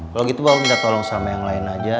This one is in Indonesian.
kalau gitu pak minta tolong sama yang lain aja